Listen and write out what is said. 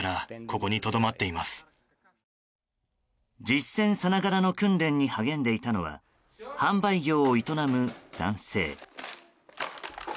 実戦さながらの訓練に励んでいたのは販売業を営む男性。